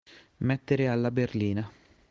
Mettere alla berlina.